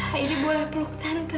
aida boleh peluk tante gak